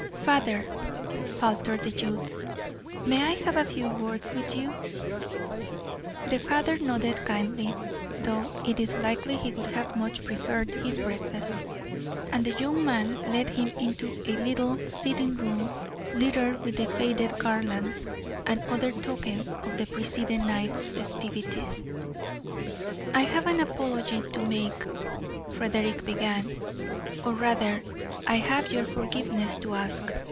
"Father," faltered the youth, "may I have a few words with you?" The father nodded kindly, though it is likely he would have much preferred his breakfast; and the young man led him into a little sitting room littered with the faded garlands and other tokens of the preceding night's festivities. "I have an apology to make," Frederick began, "or rather, I have your forgiveness to ask.